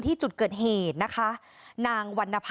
ขณะเดียวกันคุณอ้อยคนที่เป็นเมียฝรั่งคนนั้นแหละ